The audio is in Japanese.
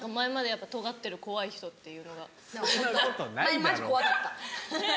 前マジ怖かった。